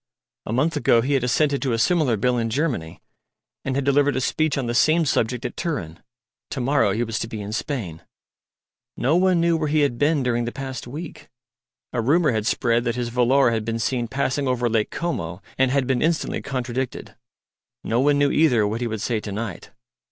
A month ago he had assented to a similar Bill in Germany, and had delivered a speech on the same subject at Turin. To morrow he was to be in Spain. No one knew where he had been during the past week. A rumour had spread that his volor had been seen passing over Lake Como, and had been instantly contradicted. No one knew either what he would say to night.